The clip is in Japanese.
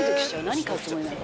何買うつもりなの？